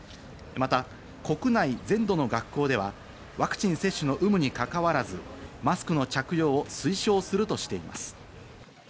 また国内全土の学校では、ワクチン接種の有無にかかわらず、マスクの着用を推奨するとしています。